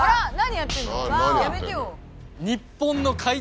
やめてよ。